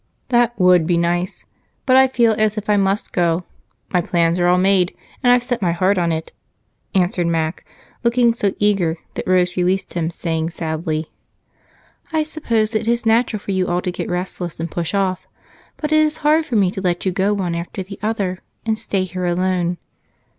"That would be nice. But I feel as if I must go my plans are all made, and I've set my heart on it," answered Mac, looking so eager that Rose released him, saying sadly: "I suppose it is natural for you all to get restless and push off, but it is hard for me to let you go one after the other and stay here alone.